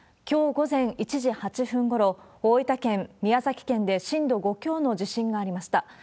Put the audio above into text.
きょう午前１時８分ごろ、大分県、宮崎県で震度５強の地震がありました。